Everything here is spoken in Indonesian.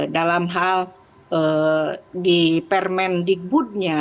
dalam hal di permendikbudnya